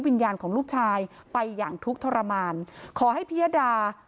วิญญาณของลูกชายไปอย่างทุกข์ทรมานขอให้พิยดา